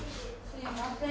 すいません。